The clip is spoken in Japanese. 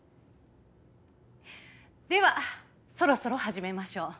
ではそろそろ始めましょう。